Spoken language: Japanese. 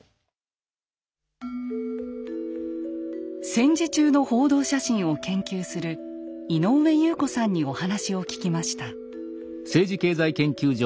戦時中の報道写真を研究する井上祐子さんにお話を聞きました。